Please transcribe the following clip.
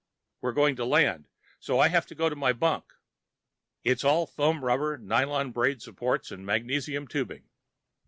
We're going to land, so I have to go to my bunk. It's all foam rubber, nylon braid supports and magnesium tubing.